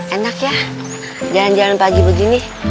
enak ya jalan jalan pagi begini